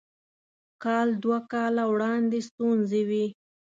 کال دوه کاله وړاندې ستونزې وې.